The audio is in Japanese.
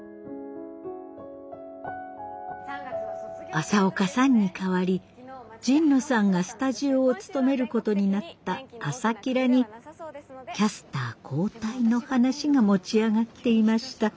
朝岡さんに代わり神野さんがスタジオを務めることになった「あさキラッ」にキャスター交代の話が持ち上がっていました。